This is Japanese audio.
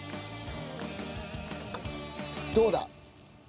どうだ？